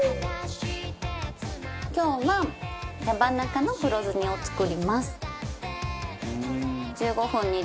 今日は手羽中の黒酢煮を作ります。